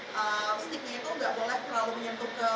biar nanti bolanya bisa langsung masuk ke sasaran alias hole in one